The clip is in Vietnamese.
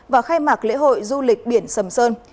và khai mạc lễ hội du lịch biển sầm sơn